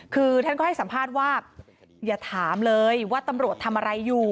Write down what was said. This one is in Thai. คือท่านก็ให้สัมภาษณ์ว่าอย่าถามเลยว่าตำรวจทำอะไรอยู่